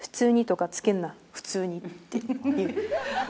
普通に。」っていう。